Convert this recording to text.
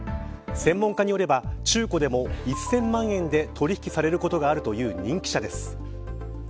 専門家によれば中古でも１０００万円で取り引きされることがあるという人気者です。